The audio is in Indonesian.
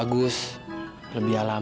yang pasti ada